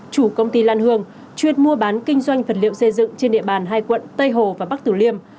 chủ công ty lan hương chuyên mua bán kinh doanh vật liệu xây dựng trên địa bàn hai quận tây hồ và bắc tử liêm